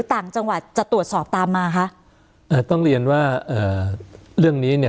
ต่างจังหวัดจะตรวจสอบตามมาคะอ่าต้องเรียนว่าเอ่อเรื่องนี้เนี่ย